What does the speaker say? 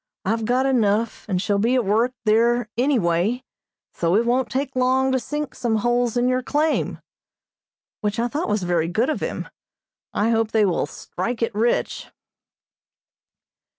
I've got enough, and shall be at work there any way, so it won't take long to sink some holes in your claim," which I thought was very good of him. I hope they will "strike it" rich.